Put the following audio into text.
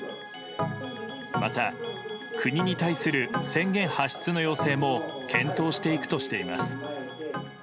また、国に対する宣言発出の要請も検討していくとしています。